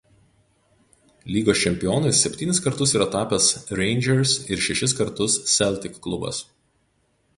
Lygos čempionais septynis kartus yra tapęs Rangers ir šešis kartus Celtic klubas.